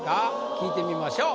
聞いてみましょう。